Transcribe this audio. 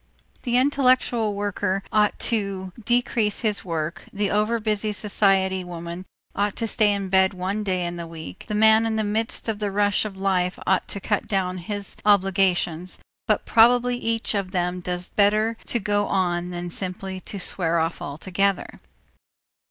The intellectual worker ought to decrease his work, the overbusy society woman ought to stay in bed one day in the week, the man in the midst of the rush of life ought to cut down his obligations, but probably each of them does better to go on than simply to swear off altogether.